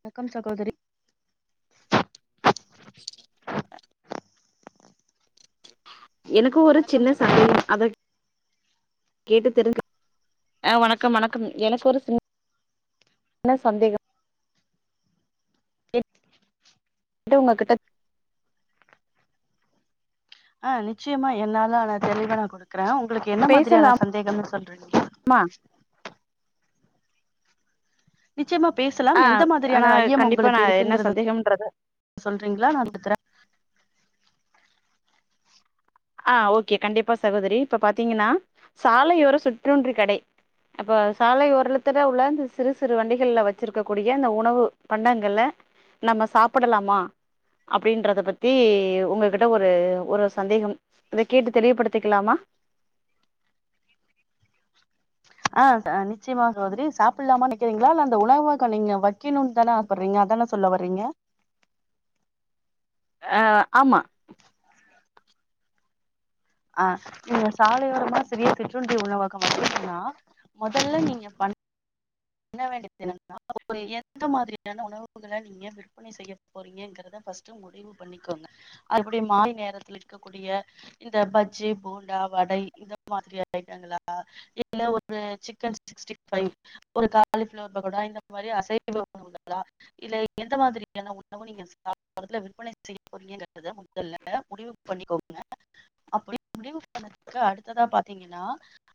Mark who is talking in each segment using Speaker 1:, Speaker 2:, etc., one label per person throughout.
Speaker 1: வணக்கம் சகோதரி
Speaker 2: [inaudible] எனக்கு ஒரு
Speaker 1: வணக்கம்
Speaker 2: சின்ன சந்தேகம்
Speaker 1: சகோதரி
Speaker 2: அது கேட்டு தெரிஞ் அ வணக்கம் வணக்கம் எனக்கு ஒரு சின் [unintelligible] சின்ன சந்தேகம் கேட்டு உங்கக்கிட்டத்
Speaker 1: ஆ நிச்சயமா என்னால ஆன தெளிவ நா குடுக்குறே உங்களுக்கு என்ன மாதிரியான சந்தேகம்னு சொல்றீங்ளா
Speaker 2: மா
Speaker 1: நிச்சயமா பேசலாம்
Speaker 2: ஆ
Speaker 1: எந்த
Speaker 2: ஆனா
Speaker 1: மாதிரியான ஐயம்
Speaker 2: கண்டிப்பா
Speaker 1: உங்களுக்கு
Speaker 2: நா என்ன
Speaker 1: இருக்குங்குறத
Speaker 2: சந்தேகம்ன்றது
Speaker 1: [inaudible] சொல்றீங்ளா நா [unintelligible]
Speaker 2: ஆ ஓகே கண்டிப்பா சகோதரி இப்ப பாத்தீங்கனா சாலையோர சுற்றுன்று கடை இப்ப சாலை ஓரலத்துல உள்ள சிறு சிறு வண்டிகள்ல வச்சிருக்க கூடிய இந்த உணவு பண்டங்கல நம்ம சாப்டலாமா அப்டின்றத பத்தி உங்ககிட்ட ஒரு ஒரு சந்தேகம் இத கேட்டு தெளிவுப்படுத்திக்கலாமா
Speaker 1: ஆ நிச்சயமா சகோதரி சாப்டலாமா நெனக்கிறீங்ளா இல்ல அந்த உணவக நீங்க வக்கணுனு தானே ஆ ச படிறீங்க அதான சொல்லவர்றீங்க
Speaker 2: ஆ ஆமா
Speaker 1: ஆ நீங்க சாலையோரமா சிறிய சிற்றுண்டி உணவகம் வக்கனுனா மொதல்ல நீங்க பண் என்ன வேண்டியதுனன்னா ஒரு எந்த மாதிரியான உணவுகள நீங்க விற்ப் பனை செய்ய போறீங்ககறத ஃபஸ்ட்டு முடிவு பண்ணிக்கோங்க அப்டி மாலை நேரத்தில் இருக்கக்கூடிய இந்த பஜ்ஜி போண்டா வடை இந்த மாதிரி ஐட்டங்களா இல்ல ஒரு சிக்கன் சிக்ஸ்டி ஃபை ஒரு காலிஃபிளவர் பக்கோடா இந்த மாரி அசைவ உணவுகளா இல்ல எந்த மாதிரியான உணவு நீங்க சாப்டுறதுல விற்பனை செய்ய போறிங்ககறத முதல்ல முடிவு பண்ணிக்கோங்க அப்டி முடுவு பண்ணதுக்கு அடுத்ததா பாத்தீங்கன்னா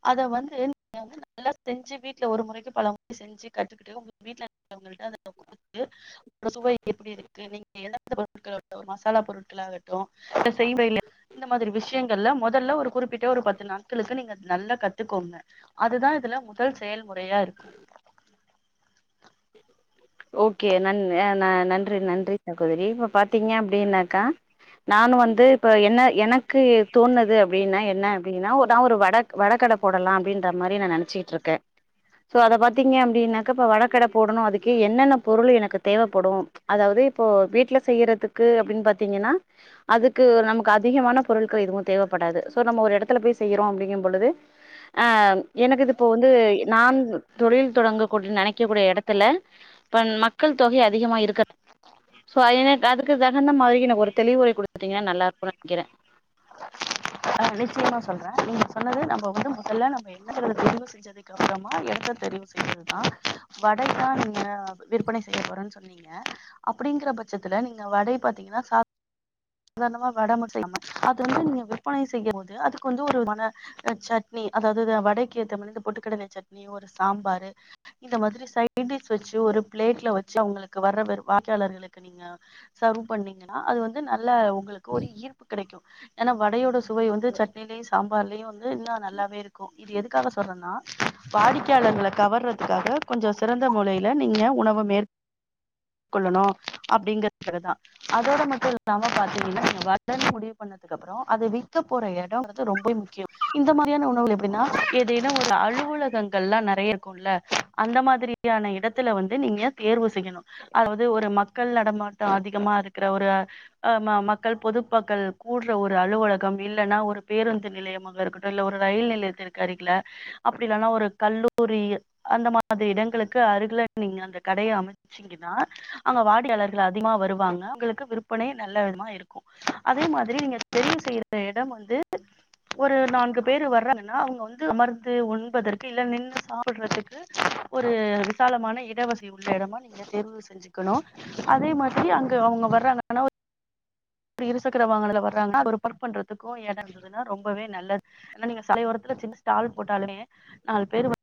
Speaker 1: அத வந்து நீங்க வந்து நல்லா செஞ்சு வீட்ல ஒரு முறைக்கு பலமுறை செஞ்சு கட்டுக்கிட்டு உங்க வீட்ல இருகவங்கள்ட அத கொடுத்து சுவை எப்டி இருக் கு நீங்க எடுத்த பொருள்களோட ஒரு மசாலா பொருட்களாகட்டு இத செய் முறைல்ல இந்த மாதிரி விஷயங்கள்ல மொதல்ல ஒரு குறிப்பிட்ட ஒரு பத்து நாட்களுக்கு நீங்க அத நல்லா கத்துக்கோங்க அதுதா இதுல முதல் செயல்முறையா இருக்கு
Speaker 2: ஓகே நன் அ ந நன்றி நன்றி சகோதரி இப்ப பாத்தீங்க அப்டினாக்கா நானு வந்து இப்ப என்ன எனக்கு தோண்ணது அப்டின்னா என்ன அப்டின்னா நா ஒரு வட வட கட போடலா அப்டின்ற மாரி நா நெனச்சிட்டுருக்கே சோ அத பாத்தீங்க அப்டின்னாக்க இப்ப வடகட போடணு அதுக்கு என்னென்ன பொருள் எனக்கு தேவைப்படு அதாவது இப்போ வீட்ல செய்றதுக்கு அப்டின்னு பாத்தீங்கன்னா அதுக்கு நமக்கு அதிகமான பொருட்கள் எதுவு தேவைப்படாது சோ நம்ம ஒரு இடத்துல போய் செய்றோ அப்டிங்கும் பொழுது ஆ எனக்குது இப்போ வந்து நான் தொழில் தொடங்கக்கூடிய நெனைக்கக் கூடிய எடத் த்துல இப்ப மக்கள் தொகை அதிகமா இருக்க சோ எனக்கு அதுக்கு தகுந்த மாதிரி எனக்கு ஒரு தெளிவுரை குடுத்தீங்னா நல்லாருக்குனு நெனைக்கிறே
Speaker 1: ஆ நிச்சியமா சொல்றே நீங்க சொன்னது நம்ம வந்து முதல்ல நம்ம என்னற முடிவு செஞ்ச சக்கு அப்றமா எடத்த தெரிவு செய்றதுதா வடை தா நீங்க விற்பனை செய்ய போறன்னு சொன்னீ ங்க அப்படிங்கிற பட்சத்துல நீங்க வடை பாத்தீங்கன்னா சாப் உதாரணமா வட மட்டு செய்யாம அது வந்து நீங்க விற்பனை செய்யும் போது அதுக்கு வந்து ஒரு மன சட்னி அதாவது இது வடைக்கி ஏத்த மாரி இந்த பொட்டுக்கடல சட்னி ஒரு சாம்பாரு இந்த மாதிரி சைடிஷ் வச்சு ஒரு பிளேட்ல வச்சு அவங்களுக்கு வர்ற விரு வாடிக்கையாளர்களுக்கு நீங்க சர்வ் பண்ணீங்கன்னா அது வந்து நல்ல உங்களுக்கு ஒரு ஈர்ப்பு கெடைக்கு ஏனா வடயோட சுவை வந்து சட்னிலயு சாம்பார்லயு வந்து இன்னு நல்லாவே இருக்கு இது எதுக்காக சொல்றேன்னா வாடிக்கையாளர்கள கவர்றதுக்காக கொஞ்சோ சிறந்த முறையில நீங்க உணவு மேற்க் கொள்ளணு அப்டிங்கறதக்காகத அதோட மட்டு இல்லாம பாத்தீங்கன்னா நீங்க வடனு முடிவு பண்ணதுக்குகப்பறோ அது வி விக்க போற எடோ வந்து ரொம்பவெ முக்கியொ இந்த மாரியான உணவுகள் எப்டீன்னா எதேனு ஒரு அலுவலகங்கள்லா நெறைய இருக்கு உள்ள அந்த மாதிரியான இடத்துல வந்து நீங்க தேர்வு செய்யணு அதாவது ஒரு மக்கள் நடமாட்டோ அதிகமா இருக்குற ஒரு ஆ ம மக்கள் பொதுமக்கள் கூட்ற ஒரு அலுவலக் கம் இல்லன்னா ஒரு பேருந்து நிலையமாக இருக்கட்டு இல்ல ஒரு ரயில் நிலையத்திற்கு அருகில அப்டி இல்லனா ஒரு கல்லூரி அந்த மாதிரி இடங்களுக்கு அருகுல நீங்க அந்த கடய அமச்சு சிங்கன்னா அங்க வாடிக்கையாளர்கள் அதிகமா வருவாங்க உங்களுக்கு விற்பனை நல்ல விதமா இருக்கு அதே மாதிரி நீங்க தெரிவு செய்யற எடம் வந்து ஒரு நான்கு பேர் வர்றாங்கன்னா அவங்க வந்து அமர்ந்து உண்பதற்கு இல்ல நின்னு சாப்பிட்றதுக்கு ஒரு விசாலமான இடவசதி உள்ள இடமா நீங்க தேர்வு தெரிஞ்சுக்கணு அதே மாதிரி அங்க அவங்க வர்றாங்கன்னா ஒரு இருசக்கர வாகனத்துல வர்றாங்கன்னா அத பர்க் பண்றதுக்கு எடோ இருந்ததுன்னா ரொம்பவே நல்லது ஆனா நீங்க சாலை ஓரத்துல சின்ன ஸ்டால் போட்டாலுமே நாலு பேரு வ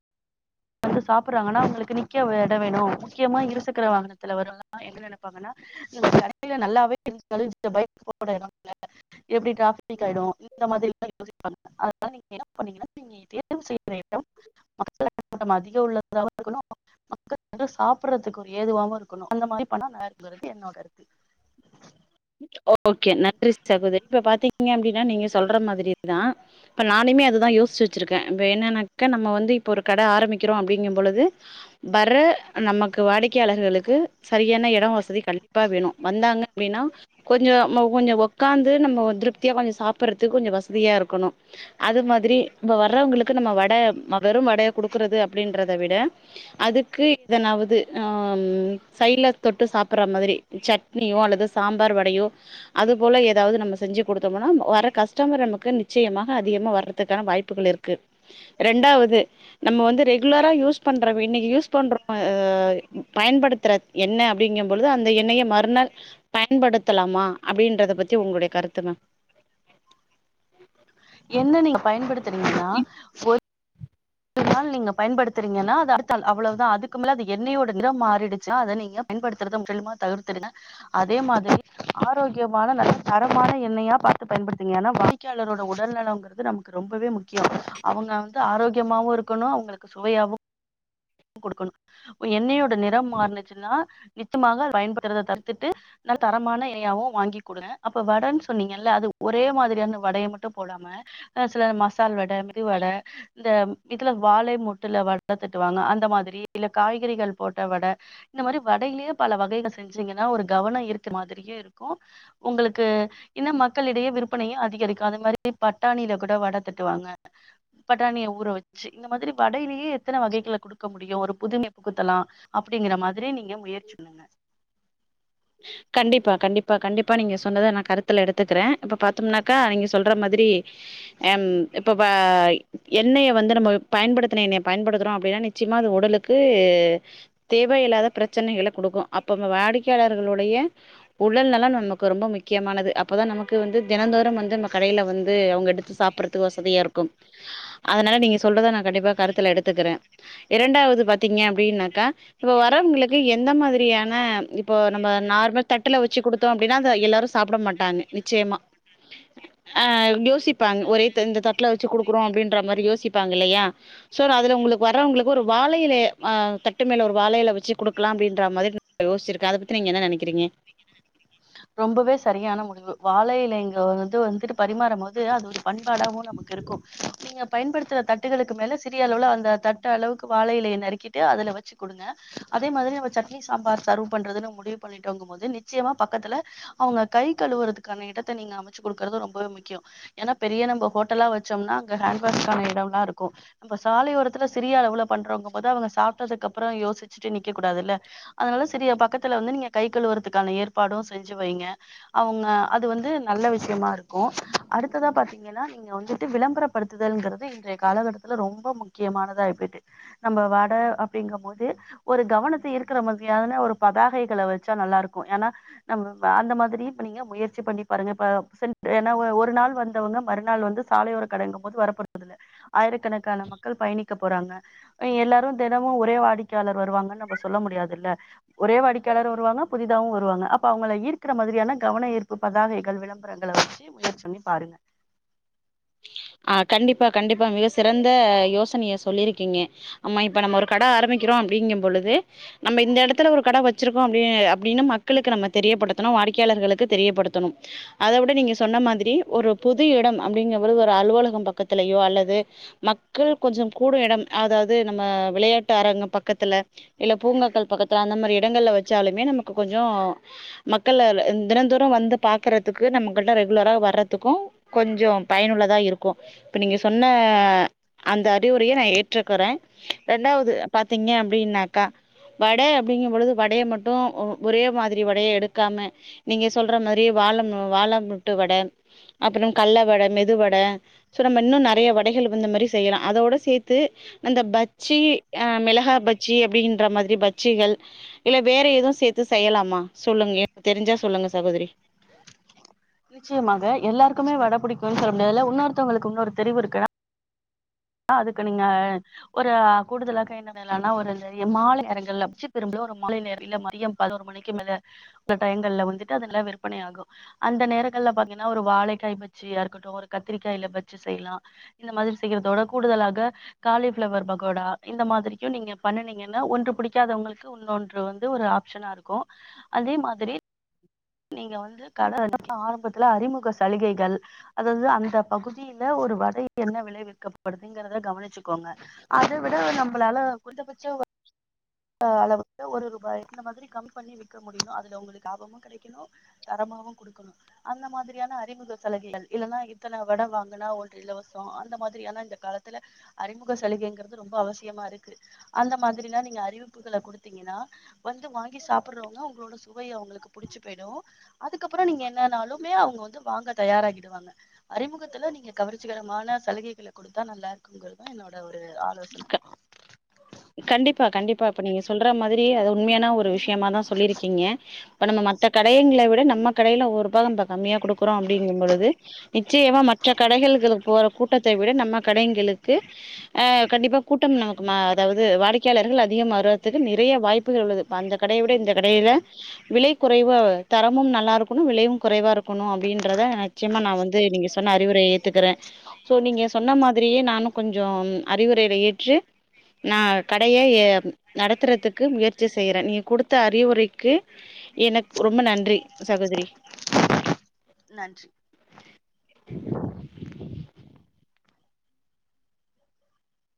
Speaker 1: து சாப்பிடுறாங்கன்னா அவங்களுக்கு நிக்க எடோ வேணூ முக்கியமா இருசக்கர வாகனத்துல வரலா என்ன நெனப்பாங்கன்னா இந்த கடையில நல்லாவே [unintelligible] பைக் போட எடொ இல்ல எப்படி டிராபிக் ஆயிடு இந்த மாதிரி எல்லா யோசிக்காதீங்க அதா நீங்க என்ன பண்ணீங்கன்னா திங் நீங்க தேர்வு செய்யப் போற எடம் கூட்டம் அதிக உள்ளதாவோ இருக்கணு மக்கள் வந்து சாப்பிடறதுக்கு ஒரு ஏதுவாவு இருக்கணு அந்த மாரி பண்ணா [inaudible] என்னோட கருத்து
Speaker 2: ஓகே நன்றி சகோதரி இப்ப பாத்தீங்க அப்டின்னா நீங்க சொல்ற மாதிரிதா இப்ப நானுமே அதுதா யோசிச்சு வச்சிருக்கே இப்ப என்னன்னாக்க நம்ம வந்து இப்ப ஒரு கட ஆரம்பிக்கிறோ அப்டிங்கும்பொழுது வர்ற நமக்கு வாடிக்கையாளர்களுக்கு சரியான எடோ வசதி கண்டிப்பா வேணு வந்தாங்க அப்டினா கொஞ்ச ம கொஞ்ச ஒக்காந்து நம்ம திருப்தியா கொஞ்ச சாப்பிட்றதுக்கு கொஞ்ச வசதியா இருக்கணு அது மாதிரி இப்ப வர்றவங்களுக்கு நம்ம வட வெறும் வடைய குடுக்குறது அப்டின்றத விட அதுக்கு எதனாவது ஆ சைட்ல தொட்டு சாப்புற மாதிரி சட்னியோ அல்லது சாம் பார் வடையோ அது போல ஏதாவது நம்ம செஞ்சு கொடுத்தோமுனா வர கஸ்டமர் நமக்கு நிச்சயமாக அதிகமா வர்றதுக்கான வாய்ப் புகள் இருக்கு ரெண்டாவது நம்ம வந்து ரெகுலரா யூஸ் பண்ற இன்னைக்கு யூஸ் பண்ற ஆ பயன்படுத்துற எண்ண அப்டிங்கும் பொழுது அந்த எண்ணய மறுநாள் பயன்படுத்தலாமா அப்டின்றத பத்தி உங்களுடைய கருத்து மேம்
Speaker 1: எண்ண நீங்க பயன்படுத்துறீங்கன்னா ஒரு த நாள் நீங்க பயன்படுத்துறீங்கன்னா அத அடுத்த நாள் அவ்வளதா அதுக்கு மேல அது எண்ணெயோட நிறம் மாறிடிச்சன அத நீங்க பயன்படுத்துறத முற்றிலுமா தவிர்த்துடுங்க அதே மாதிரி ஆரோக்கியமான நல்ல தரமான எண்ணெயா பாத்து பயன்படுத்துனீங்கன்னா வாடி க்கையாளரோட உடல் நலங்கிறது நமக்கு ரொம்பவே முக்கியோ அவங்க வந்து ஆரோக்கியமாவு இருக் கணு அவங்களுக்கு சுவையாவு கொடுக்கணு எண்ணையோட நெறோ மாறினிச்சுன்னா நிச்சமாக பயன்படுத்துறத தடுத்துட்டு நல்ல தரமான எண்ணையாவு வாங்கி குடுங்க அப்ப வடன்னு சொன்னீங்கல்ல அது ஒரே மாதிரியான வடைய மட்டும் போடாம அ சில மஸ் மசால் வட மெது வட இந்த இதுல வாழை மொட்டுல வட தட்டுவாங்க அந் இந்த மாதிரி இல்ல காய்கறிகள் போட்ட வட இந்த மாரி வடையிலே பல வகைகள் செஞ்சீங்கன்னா ஒரு கவன ஈர்த்த மாதிரியே இருக்கோ உங்களுக்கு இன்னு மக்களிடையே விற்பனையு அதிகரிக்கு அது மாரி பட்டாணில கூட வட தட்டுவாங்க பட்டாணிய ஊற வச்சு இந்த மாதிரி வடையிலேயே எத்தன வகைகள குடுக் க முடியு ஒரு புதுமை புகுத்தலா அப்டிங்கிற மாரி நீங்க முயற்சி பண்ணுங்க
Speaker 2: கண்டிப்பா கண்டிப்பா கண்டிப்பா நீங்க சொன்னத நா கருத்துல எடுத்துக்கிற இப்ப பாத்தோம்னாக்கா நீங்க சொல்ற மாதிரி எம் இப்ப ப எண்ணெய வந்து நம்ம பயன்படுத்தின எண்ணெய பயன்படுத்துறோ அப்டின்னா நிச்சயமா அது உடலுக்கு தேவையில்லாத பிரச்சனைகள குடுக்கு அப்ப நம்ம வாடிக்கையாளர் உங்களுடைய உடல் நலோ நமக்கு ரொம்ப முக்கியமானது அப்போதா நமக்கு வந்து தினந்தோறும் வந்து நம்ம கடைல வந்து அவுங்க எடுத்து சாப் பறதுக்கு வசதியா இருக்கு அதனால நீங்க சொல்றதா நா கண்டிப்பா கருத்துல எடுத்துக்கற இரண்டாவது பாத்தீங்க அப்டினாக்கா இப்ப வரவுங்களுக்கு எந்த மாதிரியான இப்போ நம்ம நார்மல் தட்டுல வச்சு குடுத்தோ அப்டின்னா அத எல்லாரு சாப்பட மாட்டாங்க நிச்சயமா ஆ யோசிப்பாங்க ஒரே த இந்த தட்ல வச்சு குடுக்குறோ அப்டின்ற மாரி யோசிப்பாங்க இல்லையா சோ அதுல உங்களுக்கு வரவங்களுக்கு ஒரு வாழை இலை அ தட்டு மேல ஒரு வாழையில வச்சு குடுக்கலா அப்டின்ற மாரி யோச்சிரு க்கே அத பத்தி நீங்க என்ன நெனக்கிறீங்க
Speaker 1: ரொம்பவே சரியான முடிவு வாழை இலையில வந்து வந்துட்டு பரிமாறும் போது அது ஒரு பண்பாடாவு நமக்கு இருக்கு நீங்க பயன்படுத்துற தட்டுகளுக்கு மேல சிறிய அளவுல அந்த தட்டு அளவுக்கு வாழயிலைய நறுக்கிட்டு அதல வச்சு குடுங்க அதே மாதிரி நம்ம சட்னி சாம்பார் சர்வ் பண்றதுனு முடிவு பண்ணிடோங்கும் போது நிச்சயமா பக்கத்துல அவுங்க கை கழுவுறதுக்கான இடத்த நீங்க அமச்சு குடுக்கறது ரொம்பவே முக்கியம் ஏன்னா பெரிய நம்ம ஹோட்டல்லா வச்சோம்னா அங்க ஹேண்ட் வாஷ்கான இடம்லா இருக்கு இப்ப சாலையோரத்துல சிறிய அளவுல பண்றோங்க போது அவுங்க சாப்ட்டதுக்கு அப்றோ யோசிச்சுட்டு நிக்க கூடாதுல்ல அதுனால செரி பக்கத்துல வந்து நீங்க கை கழுவறதுக்கான ஏற்பாடு செஞ்சு வைங்க அவுங்க அது வந்து நல்ல விஷயமா இருக்கு அடுத்ததா பாத் ஏன்னா இங்க வந்துட்டு விளம்பரப்படுத்துதல்ங்கிறது இன்றைய காலகட்டத்தில ரொம்ப முக்கியமானதா இருக்கு நம்ப வட அப்டிங்கும் போது ஒரு கவனத்த ஈர்க்கிற மாதிரியான ஒரு பதாகைகள வச்சா நல்லா இருக்கு ஏன்னா அந்த மாதிரி இப்ப நீங்க முயற்சி பண்ணி பாருங்க இப்ப சென்ட் ஏன்னா ஒரு நாள் வந்தவங்க மறுநாள் வந்து சாலையோர கடைக போது வரப்போறது இல்ல ஆயிரக்கணக்கான மக்கள் பயணிக்க போறாங்க எல்லாரு தினமு ஒரே வாடிக்கையாளர் வருவாங்கன்னு நம்ம சொல்ல முடியாது இல்ல ஒரே வாடிக்கையாளரு வருவாங்க புதிதாவு வருவாங்க அப் ப அவுங்கள ஈர்க்கிற மாதிரியான கவுன ஈர்ப்பு பதாகைகள் விளம்பரங்கள வச்சி முயற்சி பண்ணி பாருங்க
Speaker 2: ஆ கண்டிப்பா கண்டிப்பா மிக சிறந்த யோசனைய சொல்லியிருக்கீங்க ஆமா இப்ப நம்ம ஒரு கட ஆரம்பிக்கிறோ அப்டிங்க பொழுது நம்ம இந்த இடத்துல ஒரு கட வச்சிருக்கோ அப்டி அப்டின்னு மக்களுக்கு நம்ம தெரியப்படுத்தணு வாடிக்கையாளர்களுக்கு தெரியப்படுத்தணு அத விட நீங்க சொன்ன மாதிரி ஒரு புது இடம் அப்டிங்க பொழுது ஒரு அலுவலகம் பக்கத்துலயோ அல்லது மக்கள் கொஞ்ச கூடும் எடம் அதாது நம்ம விளையாட்டு அரங்கம் பக்கத்துல இல்ல பூங்காக்கள் பக்கத்துல அந்த மாரி இடங்கள்ல வச்சாலுமே நமக்கு கொஞ்சோ மக்கள் தினந்தோரு வந்து பாக்குறதுக்கு நம்மக்கிட்ட ரெகுலரா வர்றதுக்கு கொஞ்சோ பயனுள்ளதா இருக்கு இப்போ நீங்க சொன்ன அந்த அறிவுரைய நா ஏற்றுக்குற ரெண்டாவது பாத்தீங்க அப்டின்னாக்கா வட அப்டிங்கபொழுது வடைய மட்டு ஒரே மாதிரி வடைய எடுக்காம நீங்க சொல்ற மாரி வாழ வாழ முட்டு வட அப்றோ கள்ள வட மெதுவட சோ நம்ம இன்னு நெறைய வடைகள் இந்த மாரி செய்யலா அதோட சேர்த்து அந்த பஜ்ஜி அ மிளகா பஜ்ஜி அப்டின்ற மாதிரி பஜ்ஜிகள் இல்ல வேற எதுவு சேர்த்து செய்யலாமா சொல்லுங்க தெரிஞ்சா சொல்லுங்க சகோதிரி
Speaker 1: நிச்சயமாக எல்லாருக்குமே வட புடிக்கும்ன்னு சொல்ல முடியாதுல்ல உன்னொருத்தவங்களுக்கு உன்னொரு தெளிவு இருக்குனா அ அதுக்கு நீங்க ஒரு கூடுதலாக என்ன னா ஒரு நெறைய மாலை நேரங்கள்ல உச்சு பிரம்புல ஒரு மாலை நேரம் இல்ல மதியம் பதினோரு மணிக்கு மேல இந்த டைம்கள்ல வந்துட்டு அதெல்லா விற்பனை ஆகு அந்த நேரங்கள்ல பாத்தீங்கன்னா ஒரு வாழைக்காய் பஜ்ஜியா இருக்கட்டு ஒரு கத்திரிக்காயில பஜ்ஜி செய்லா இந்த மாதிரி செய்யறதோட கூடுதலாக காலிஃபிளவர் பக்கோடா இந்த மாதிரியு நீங்க பண்ணணீங்கன்னா ஒன்று பிடிக்காதவங்களுக்கு உன்னொன்று வந்து ஒரு ஆப்ஷனா இருக்கு அதே மாதிரி நீங்க வந்து கட [inaudible] ஆரம்பத்துல அறிமுக சலுகைகள் அதாவது அந்த பகுதியில ஒரு வடைக்கு என்ன விளைவிக்கப்படுதுங்கறத கவனிச்சுக்கோங்க அத விட நம்பளால கொறைந்த பட்ச ம் அளவுக்கு ஒரு ரூபாய் இந்த மாதிரி கம்மி பண்ணி விக்க முடியுதோ அதுல உங்களுக்கு லாபமு கெடை க்கு தரமாகவு கொடுக்கணு அந்த மாதிரியான அறிமுக சலுகைகள் இல்லன்னா இத்தன வட வாங்குனா ஒரு இலவசோ அந்த மாதிரியான இந்த காலத்துல அறிமுக சலுகைங்கிறது ரொம்ப அவசியமா இருக்கு அந்த மாதிரிலா நீங்க அறிவிப்புகள கொடுத் துங்கினா வந்து வாங்கி சாப்பிடுறவங்க உங்களோட சுவை அவங்களுக்கு புடிச்சு போயிடு அதுக்கப்பறோ நீங்க என்னன்னாலுமே அவங்க வந்து வாங்க தயாராகிடுவாங்க அறிமுகத்துல நீங்க கவர்ச்சிகரமான சலுகைகள கொடுத்தா நல்லா இருக்குங்கிறது என்னோட ஒரு ஆலோசன
Speaker 2: க கண்டிப்பா கண்டிப்பா இப்ப நீங்க சொல்ற மாதிரி அது உண்மையான ஒரு விஷயமாதா சொல்லிருக்கீங்க இப்ப நம்ம மத்த கடைங்கள விட நம்ம கடையில ஒரு ரூவா கம்மியா குடுக்குறோ அப்டிங்கு பொழுது நிச்சயமா மற்ற கடைகளுக்கு போற கூட்டத்த விட நம்ம கடைங்களுக்கு ஆ கண்டிப்பா கூட்டம் நமக்கு அதாவது வாடிக்கையாளர்கள் அதிகம் வர்றதுக்கு நெறைய வாய்ப்புகள் உள்ளது இப்ப அந்த கடைய விட இந்த கடையில விலை குறைவு தரமு நல்லா இருக்கணு விலையு குறைவா இருக்கணு அப்டின்றத எனக்கு நிச்சயமா நா வந்து நீங்க சொன்ன அறிவுரைய ஏத்துக்கிற சோ நீங்க சொன்ன மாதிரியே நானு கொஞ்சோ அறிவுரைய ஏற்று நா கடைய நடத்துறதுக்கு முயற்சி செய்ற நீ குடுத்த அறிவுரைக்கு எனக் ரொம்ப நன்றி சகோதிரி
Speaker 1: நன்றி
Speaker 2: [inaudible]